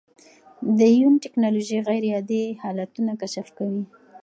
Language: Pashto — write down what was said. د یون ټېکنالوژي غیرعادي حالتونه کشف کوي.